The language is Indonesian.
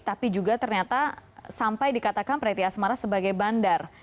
tapi juga ternyata sampai dikatakan preti asmara sebagai bandar